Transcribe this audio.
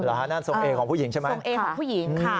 หรอฮะนั่นทรงเอ๊ะของผู้หญิงใช่ไหมค่ะทรงเอ๊ะของผู้หญิงค่ะ